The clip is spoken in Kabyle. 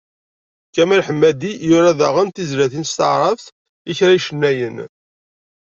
Kamal Ḥemmadi yura daɣen tizlatin s taɛrabt i kra icennayen.